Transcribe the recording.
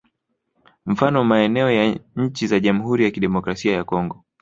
Mfano maeneo ya nchi za Jamhuri ya Kidemokrasia ya Congo